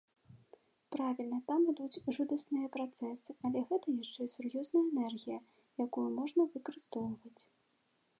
Правільна, там ідуць жудасныя працэсы, але гэта яшчэ і сур'ёзная энергія, якую можна выкарыстоўваць.